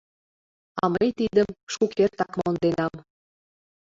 А мый тидым шукертак монденам.